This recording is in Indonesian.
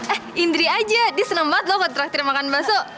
eh indri aja dia seneng banget lo ke traktir makan basuh